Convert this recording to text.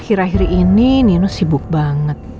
akhir akhir ini nino sibuk banget